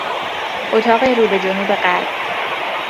اتاق رو به جنوب غرب